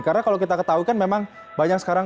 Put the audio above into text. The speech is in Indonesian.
karena kalau kita ketahukan memang banyak sekarang